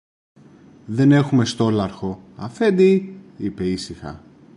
Δεν έχουμε στόλαρχο, Αφέντη, είπε ήσυχα.